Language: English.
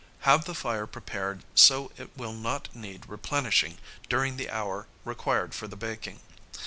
Have the fire prepared so it will not need replenishing during the hour required for the baking.